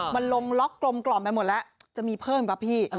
มันลงล็อกกลมกล่อมไปหมดแล้วจะมีเพิ่มครับพี่